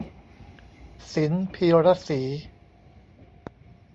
ศิลป์ พีระศรี